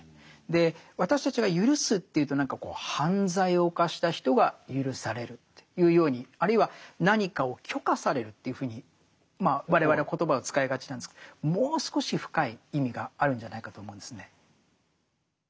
私たちがゆるすというと何か犯罪を犯した人がゆるされるというようにあるいは何かを許可されるというふうに我々は言葉を使いがちなんですけどもう少し深い意味があるんじゃないかと思うんですね。